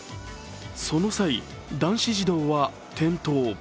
その際、男子児童は転倒。